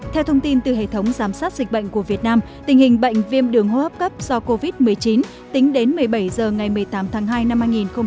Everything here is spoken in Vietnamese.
theo thông tin từ hệ thống giám sát dịch bệnh của việt nam tình hình bệnh viêm đường hô hấp cấp do covid một mươi chín tính đến một mươi bảy h ngày một mươi tám tháng hai năm hai nghìn hai mươi